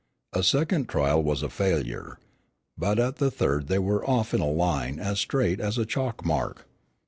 A second trial was a failure. But at the third they were off in a line as straight as a chalk mark.